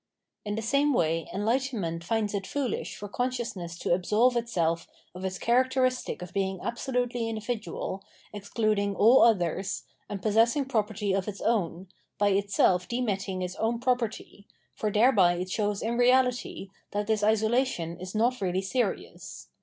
In the same way enhghtenment finds it foolish for consciousness to absolve itself of its characteristic of being absolutely individual, excluding, all others, and possessing property of its own, by itself demitting its own property, for thereby it shows in reality that this isolation is not .really serious.